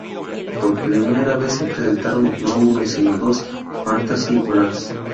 Por primera vez se presentaron no uno, si no dos "Fantasy Bras".